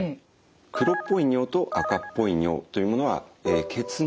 「黒っぽい尿」と「赤っぽい尿」というものは血尿を表しています。